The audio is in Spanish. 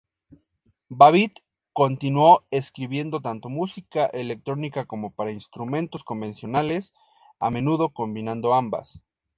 Babbitt continuó escribiendo tanto música electrónica como para instrumentos convencionales, a menudo combinando ambas.